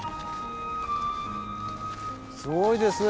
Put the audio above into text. すごいですね。